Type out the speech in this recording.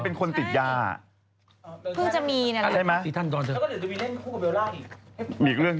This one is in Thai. สอนะแหละเนี้ยเค้ายังไม่มีละครลง